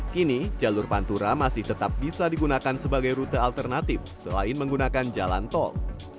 kini jalur pantura masih tetap bisa digunakan sebagai rute alternatif selain menggunakan jalan tol